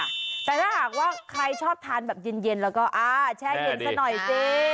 แต่ถ้าหากว่าใครชอบทานเย็นก็ว่าแช่งเย็นสักหน่อยค่ะ